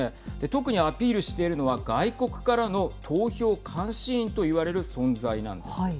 特にアピールしているのは外国からの投票監視員といわれる存在なんです。